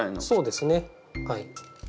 そうですねはい。